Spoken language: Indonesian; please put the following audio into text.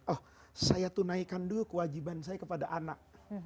oh saya tunaikan dulu kewajiban saya kepada anak